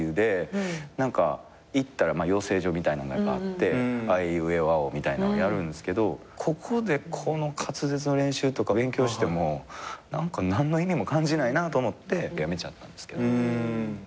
行ったら養成所みたいなんがあって「あえいうえおあお」みたいなやるんすけどここでこの滑舌の練習とか勉強しても何の意味も感じないなと思ってやめちゃったんすけど。